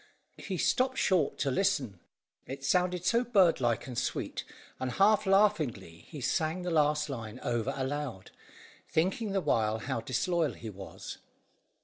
He stopped short to listen, it sounded so bird like and sweet, and half laughingly he sang the last line over aloud, thinking the while how disloyal he was.